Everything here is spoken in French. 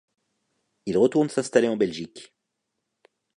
Il retourne s'installer en Belgique.